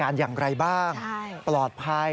ดังนั้นคุณพ่อได้รับทั้ง๑๓ชีวิตกลับสู่อ้อมอก